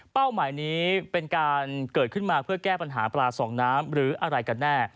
หมายนี้เป็นการเกิดขึ้นมาเพื่อแก้ปัญหาปลาสองน้ำหรืออะไรกันแน่